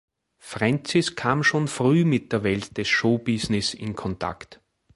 Francis kam schon früh mit der Welt des Showbusiness in Kontakt.